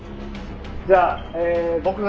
じゃあ僕が。